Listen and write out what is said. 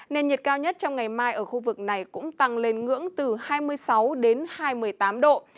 nền nhiệt cao nhất trong ngày mai ở khu vực này cũng tăng lên ngưỡng từ hai mươi sáu đến hai mươi tám độ